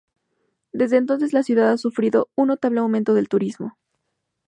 Desde entonces la ciudad ha sufrido un notable aumento del turismo.